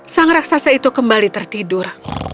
sang raksasa itu kembali tertidur